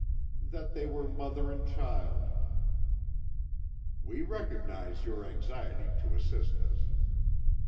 "That they were mother and child." "We recognise your anxiety to assist us.